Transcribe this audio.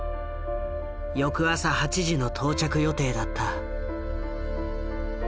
翌朝８時の到着予定だった。